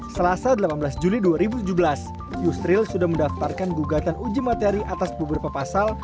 selasa delapan belas juli dua ribu tujuh belas yusril sudah mendaftarkan gugatan uji materi atas beberapa pasal